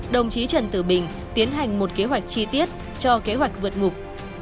đồng chí trần tử bình tiến hành một kế hoạch chi tiết cho kế hoạch vượt ngục